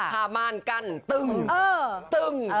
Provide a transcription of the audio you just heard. พามารกันตึงตึง